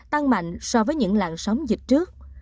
tăng mạnh so với những làn sóng dịch trước